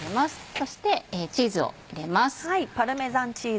そしてチーズを入れます。